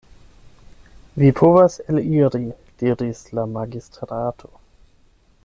Vi povas eliri, diris la magistrato.